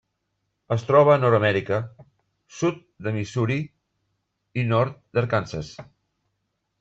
Es troba a Nord-amèrica: sud de Missouri i nord d'Arkansas.